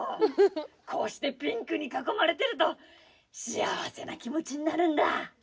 こうしてピンクに囲まれてると幸せな気持ちになるんだ。